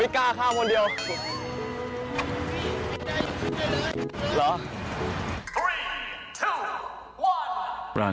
โอ้ขอบคุณมากพี่ขอบคุณมากครับ